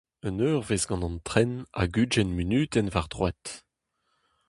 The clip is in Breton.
Un eurvezh gant an tren hag ugent munutenn war droad.